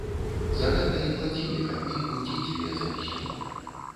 За гэта і плацілі капейку ці дзве за пісьмо.